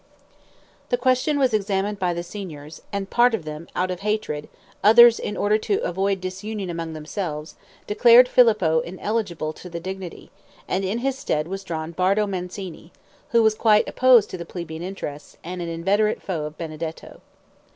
The question was examined by the signors, and part of them out of hatred, others in order to avoid disunion among themselves, declared Filippo ineligible to the dignity, and in his stead was drawn Bardo Mancini, who was quite opposed to the plebeian interests, and an inveterate foe of Benedetto.